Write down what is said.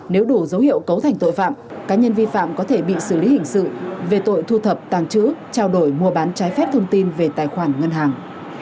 nếu đủ dấu hiệu cấu thành tội phạm cá nhân vi phạm có thể bị xử lý hình sự về tội thu thập tàng chữ trao đổi mua bán trái phép thông tin về tài khoản ngân hàng